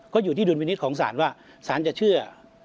ก็อยู่ที่ดุลพินิษฐ์ของศาลว่าสารจะเชื่อ